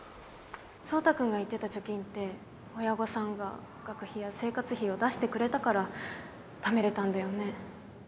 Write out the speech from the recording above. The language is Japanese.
壮太君が言ってた貯金って親御さんが学費や生活費を出してくれたから貯めれたんだよね？